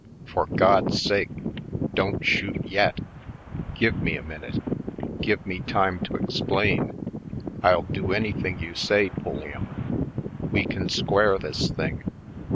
For God's sake, don't shoot j^etl Give me a minute — give me time to explain! I'll do anything you say, Pulliam — we can square this thing!